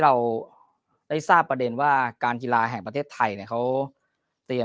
เราได้ทราบประเด็นว่าการกีฬาแห่งประเทศไทยเนี่ยเขาเตรียม